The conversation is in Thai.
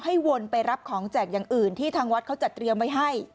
วนไปรับของแจกอย่างอื่นที่ทางวัดเขาจัดเตรียมไว้ให้